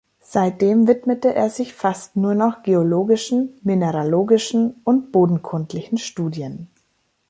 Seitdem widmete er sich fast nur noch geologischen, mineralogischen und bodenkundlichen Studien.